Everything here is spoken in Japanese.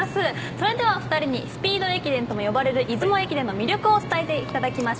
それでは２人にスピード駅伝と呼ばれる出雲駅伝の魅力を伝えてもらいます。